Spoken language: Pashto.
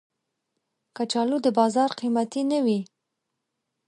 کچالو د بازار قېمتي نه وي